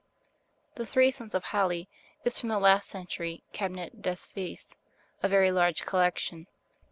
'The Three Sons of Hali' is from the last century 'Cabinet des Fees,' a very large collection.